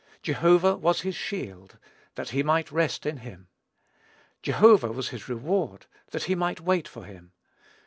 Jehovah was his "shield," that he might rest in him; Jehovah was his "reward," that he might wait for him.